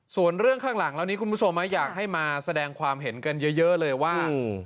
ส่วนเรื่องข้างหลังแล้วนี้คุณผู้ชมอยากให้มาแสดงความเห็นกันเยอะเลยว่า